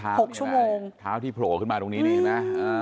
แล้วก็เท้าที่โผล่ขึ้นมาตรงนี้นะ